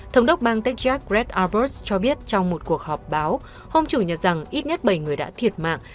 thống đốc bang texas greg alvord cho biết trong một cuộc họp báo hôm chủ nhật rằng ít nhất bảy người đã thiệt mạng